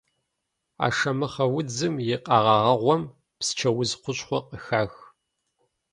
Ашэмыхъэ удзым и къэгъэгъэгъуэм псчэуз хущхъуэ къыхах.